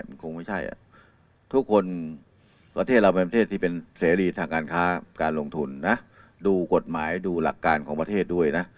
มันคงไม่ใช่ทุกคนประเทศเราเป็นประเทศที่เป็นเสรีทางการค้าการลงทุนนะดูกฎหมายดูหลักการของประเทศด้วยนะ